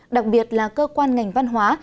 đặc biệt là cơ quan ngành văn hóa